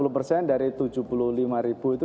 enam puluh persen dari tujuh puluh lima ribu itu